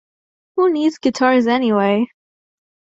Who Needs Guitars Anyway?